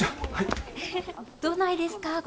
どないですか？